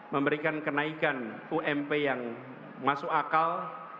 memberikan kenaikan ump yang masuk akal